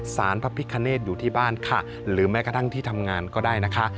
สารพระพิคเนตอยู่ที่บ้านค่ะหรือแม้กระทั่งที่ทำงานก็ได้นะคะ